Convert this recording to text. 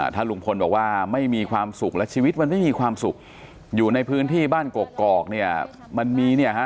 ถ้าลุงพลบอกว่าไม่มีความสุขและชีวิตมันไม่มีความสุขอยู่ในพื้นที่บ้านกกอกเนี่ยมันมีเนี่ยฮะ